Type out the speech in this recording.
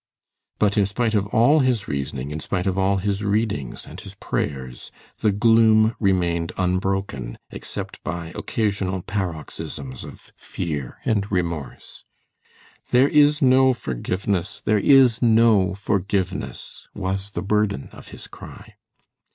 But, in spite of all his reasoning, in spite of all his readings and his prayers, the gloom remained unbroken except by occasional paroxysms of fear and remorse. "There is no forgiveness! There is no forgiveness!" was the burden of his cry.